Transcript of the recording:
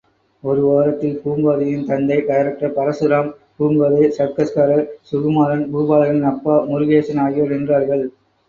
ஒரு ஓரத்தில் பூங்கோதையின் தந்தை டைரக்டர் பரசுராம், பூங்கோதை, சர்க்கஸ்காரர் சுகுமாரன், பூபாலனின் அப்பா முருகேசன் ஆகியோர் நின்றார்கள்.